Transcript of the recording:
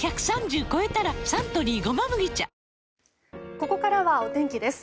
ここからはお天気です。